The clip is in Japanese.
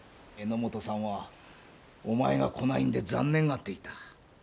榎本さんはお前が来ないんで残念がっていた。